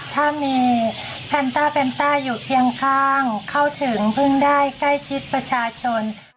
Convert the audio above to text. ถ้ามีแพนต้าแพนต้าอยู่เคียงข้างเข้าถึงเพิ่งได้ใกล้ชิดประชาชน